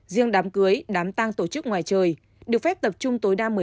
riêng đám cưới đám tang tổ chức ngoài trời được phép tập trung tối đa